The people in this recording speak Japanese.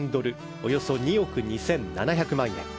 およそ２億２７００万円。